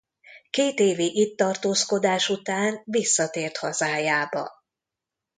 Két évi itt tartózkodás után visszatért hazájába.